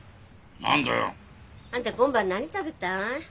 何だよ？あんた今晩何食べたい？